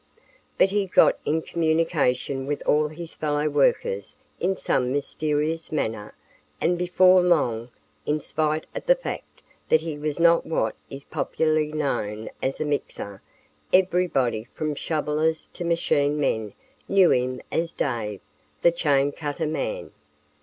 But he got in communication with all his fellow workers in some mysterious manner and before long, in spite of the fact that he was not what is popularly known as a "mixer," everybody from shovelers to machine men knew him as Dave, the chain cutter man.